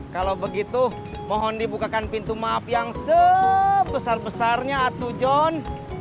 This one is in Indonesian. kalau begitu mohon dibukakan pintu maaf yang sebesar besarnya atu john